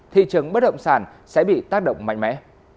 thị trường bất động sản sẽ bị tác động mạnh mẽ